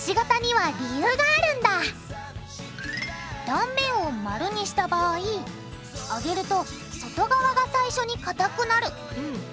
断面を丸にした場合揚げると外側が最初にかたくなる。